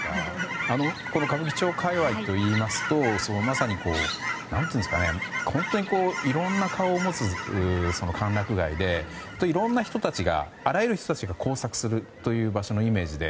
歌舞伎町界隈といいますとまさに本当にいろんな顔を持つ歓楽街でいろいろな人たちがあらゆる人たちが交錯するという場所のイメージで。